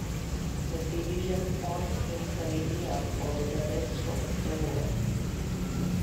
The division fought in Karelia for the rest of the war.